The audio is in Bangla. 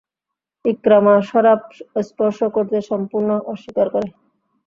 ইকরামা শরাব স্পর্শ করতে সম্পূর্ণ অস্বীকার করে।